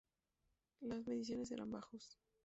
Las mediciones serían bajos.